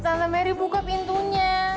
tante mary buka pintunya